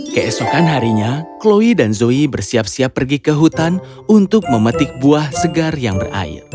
keesokan harinya chloe dan zoe bersiap siap pergi ke hutan untuk memetik buah segar yang berair